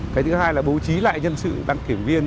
cái thứ hai là bố trí lại nhân sự đăng kiểm viên